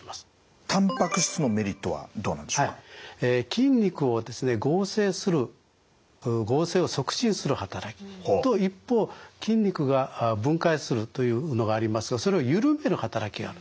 筋肉をですね合成する合成を促進する働きと一方筋肉が分解するというのがありますがそれを緩める働きがある。